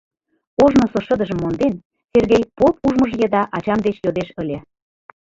Ожнысо шыдыжым монден, Сергей поп ужмыж еда ачам деч йодеш ыле: